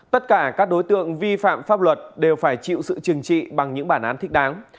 tất cả các đối tượng vi phạm pháp luật đều phải chịu sự trừng trị bằng những bản án thích đáng